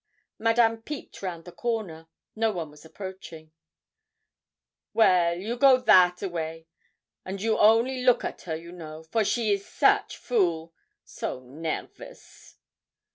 Madame peeped round the corner. No one was approaching. 'Well, you go round that a way, and you only look at her, you know, for she is such fool so nairvous.'